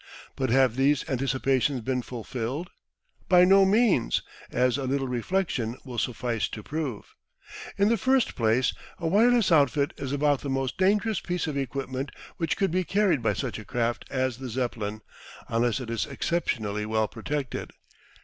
But have these anticipations been fulfilled? By no means, as a little reflection will suffice to prove. In the first place, a wireless outfit is about the most dangerous piece of equipment which could be carried by such a craft as the Zeppelin unless it is exceptionally well protected.